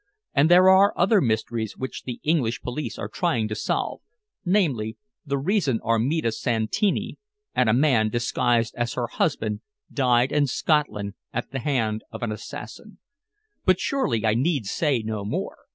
And there are other mysteries which the English police are trying to solve, namely, the reason Armida Santini and a man disguised as her husband died in Scotland at the hand of an assassin. But surely I need say no more.